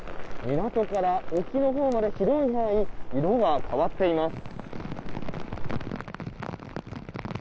港から沖のほうまで広い範囲、色が変わっています。